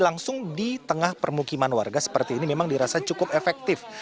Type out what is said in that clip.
langsung di tengah permukiman warga seperti ini memang dirasa cukup efektif